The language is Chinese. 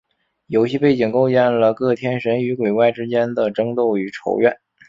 游戏背景构建了各天神与鬼怪之间的争斗与仇怨。